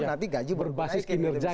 nanti gaji berbasis kinerja